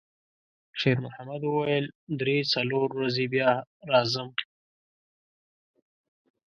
شېرمحمد وویل: «درې، څلور ورځې بیا راځم.»